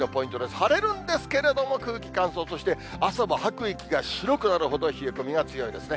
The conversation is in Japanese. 晴れるんですけれども、空気乾燥、そして朝も吐く息が白くなるほど冷え込みが強いですね。